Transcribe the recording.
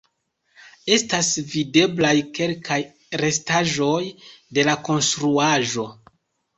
Estas videblaj kelkaj restaĵoj de la konstruaĵo.